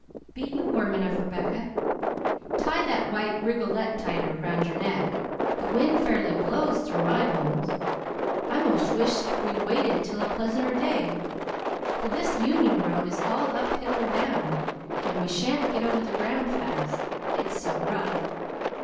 "Be you warm enough, Rebecca? Tie that white rigolette tighter round your neck. The wind fairly blows through my bones. I most wish t we'd waited till a pleasanter day, for this Union road is all up hill or down, and we shan't get over the ground fast, it's so rough.